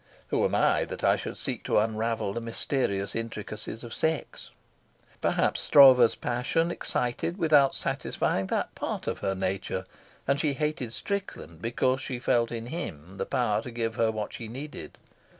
Who am I that I should seek to unravel the mysterious intricacies of sex? Perhaps Stroeve's passion excited without satisfying that part of her nature, and she hated Strickland because she felt in him the power to give her what she needed.